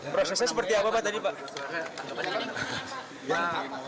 prosesnya seperti apa pak